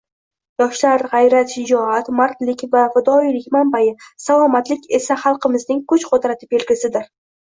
Yoshlar g‘ayrat-shijoat, mardlik va fidoyilik manbai, salomatlik esa xalqimizning kuch-qudrati belgisidir